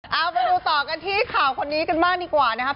เอาไปดูต่อกันที่ข่าวคนนี้กันบ้างดีกว่านะครับ